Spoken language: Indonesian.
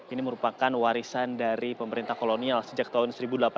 ini merupakan warisan dari pemerintah kolonial sejak tahun seribu delapan ratus